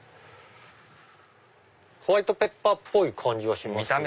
ホワイトペッパーっぽい感じはしますね。